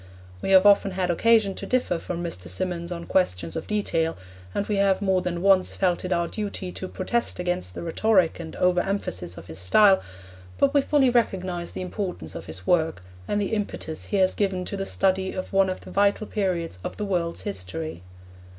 We have often had occasion to differ from Mr. Symonds on questions of detail, and we have more than once felt it our duty to protest against the rhetoric and over emphasis of his style, but we fully recognise the importance of his work and the impetus he has given to the study of one of the vital periods of the world's history.